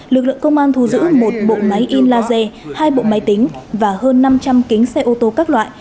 lực lượng công an thu giữ một bộ máy in laser hai bộ máy tính và hơn năm trăm linh kính xe ô tô các loại